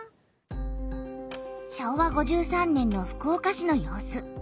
昭和５３年の福岡市の様子。